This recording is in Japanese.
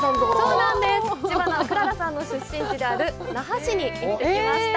知花くららさんの出身地である那覇市に行ってきました。